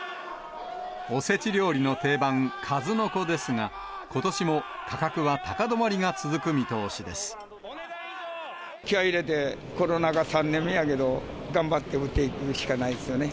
おせち料理の定番、カズノコですが、ことしも価格は高止まりが続気合い入れて、コロナも３年目やけど、頑張って売っていくしかないですよね。